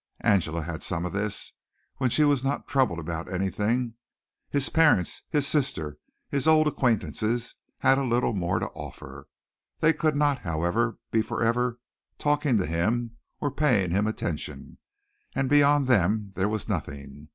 Angela had some of this, when she was not troubled about anything, his parents, his sister, his old acquaintances had a little more to offer. They could not, however, be forever talking to him or paying him attention, and beyond them there was nothing.